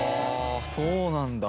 そうなんだ。